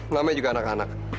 namanya juga anak anak